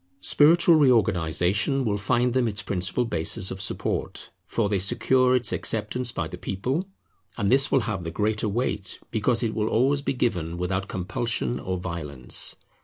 Spiritual reorganization will find them its principal basis of support, for they secure its acceptance by the people; and this will have the greater weight, because it will always be given without compulsion or violence.